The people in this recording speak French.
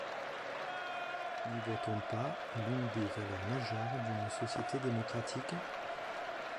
N’y voit-on pas l’une des valeurs majeures d’une société démocratique ?